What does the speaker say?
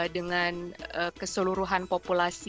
dengan keseluruhan populasi